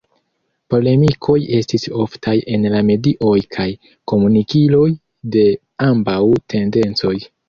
Polemikoj estis oftaj en la medioj kaj komunikiloj de ambaŭ tendencoj.